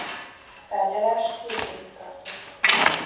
A tárgyalás két évig tartott.